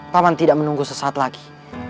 paman tidak menunggu sesaat lagi